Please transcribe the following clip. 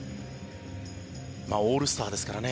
オールスターですからね。